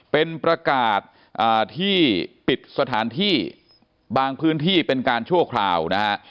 เป็นประกาศที่ปิดสถานที่บางพื้นที่เป็นการชั่วคราวนะฮะ